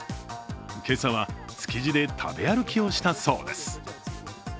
今朝は、築地で食べ歩きをしたそうです。